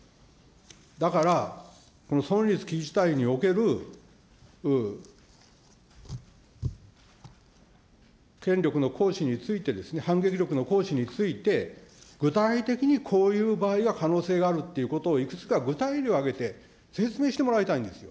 だから、この存立危機事態における権力の行使について、反撃力の行使について、具体的にこういう場合は可能性があるっていうことを、いくつか具体例を挙げて、説明してもらいたいんですよ。